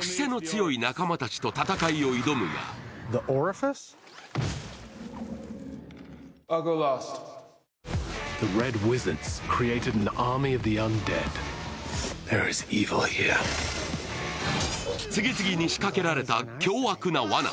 癖の強い仲間たちと戦いを挑むが次々に仕掛けられた凶悪なわな。